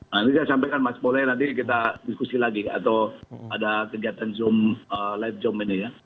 nah ini saya sampaikan mas boleh nanti kita diskusi lagi atau ada kegiatan zoom lab zoom ini ya